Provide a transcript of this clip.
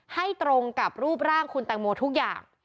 ให้ตรงกับรูปร่างคุณแตงโมทุกอย่าง